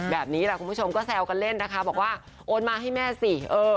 แบบนี้แหละคุณผู้ชมก็แซวกันเล่นนะคะบอกว่าโอนมาให้แม่สิเออ